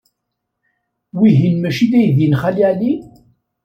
Wihin maci d aydi n Xali Ɛli?